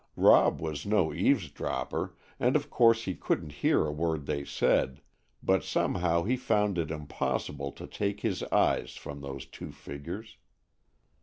Rob was no eavesdropper, and of course he couldn't hear a word they said, but somehow he found it impossible to take his eyes from those two figures.